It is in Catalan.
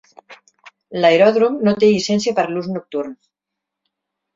L'aeròdrom no té llicència per a l'ús nocturn.